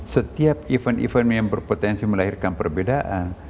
setiap event event yang berpotensi melahirkan perbedaan